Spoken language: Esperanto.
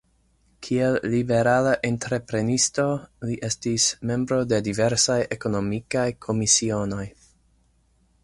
Kiel liberala entreprenisto li estis membro de diversaj ekonomikaj komisionoj.